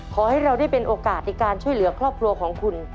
ขอให้เราได้เป็นโอกาสในการช่วยเหลือครอบครัวของคุณ